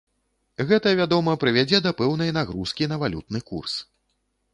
Гэта, вядома, прывядзе да пэўнай нагрузкі на валютны курс.